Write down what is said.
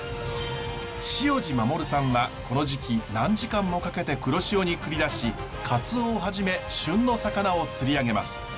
塩路守さんはこの時期何時間もかけて黒潮に繰り出しカツオをはじめ旬の魚を釣り上げます。